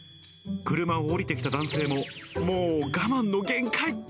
車を降りてきた男性も、もう、我慢の限界。